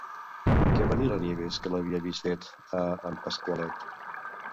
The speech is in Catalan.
Què va dir la Nieves que l'havia vist fet, a en Pasqualet?